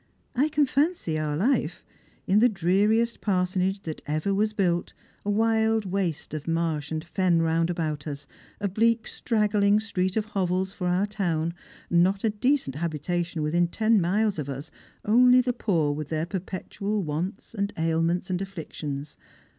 I can fancy our life : in the dreaiuest parsonage that was ever built, a wUd waste of marsh and fen round about us, a bleak strangling street of hovels for our town, not a decent habitation within ten miles of us, only the poor with their perpetual wants, and ailments, and afflictions.